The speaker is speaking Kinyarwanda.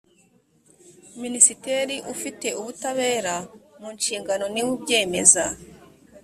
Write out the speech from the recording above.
minisitiri ufite ubutabera mu nshingano niwe ubyemeza